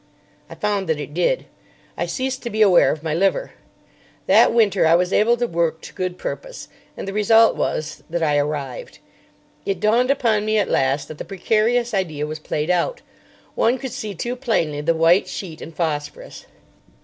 I found that it did. I ceased to be aware of my liver. That winter I was able to work to good purpose, and the result was that I arrived. It dawned upon me at last that the "precarious" idea was played out. One could see too plainly the white sheet and phosphorus.